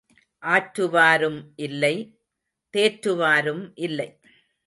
ஆற்றுவாரும் இல்லை தேற்றுவாரும் இல்லை.